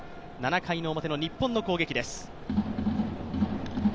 ７回表の日本の攻撃です。